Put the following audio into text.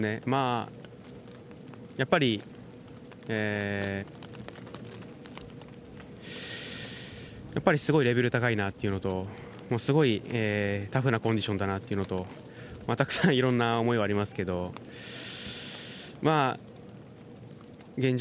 やっぱりすごいレベル高いなというのと、すごいタフなコンディションだなというのとたくさんいろんな思いはありますけれども、現状